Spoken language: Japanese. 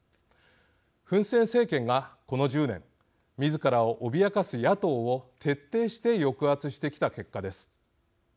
フン・セン政権がこの１０年みずからを脅かす野党を徹底して抑圧してきた結果です。